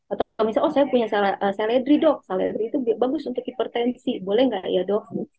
atau kalau misalnya oh saya punya seledri dok seledri itu bagus untuk hipertensi boleh nggak ya dok